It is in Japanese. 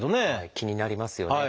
気になりますよね。